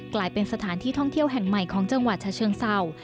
กลายเป็นสถานที่ท่องเที่ยวแห่งใหม่ของจังหวัดชะเชิงเศร้า